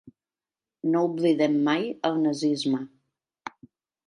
No oblidem mai el nazisme.